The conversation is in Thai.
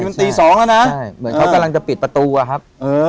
มันตี๒แล้วนะเหมือนเขากำลังจะปิดประตูอะครับ